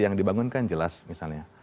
yang dibangunkan jelas misalnya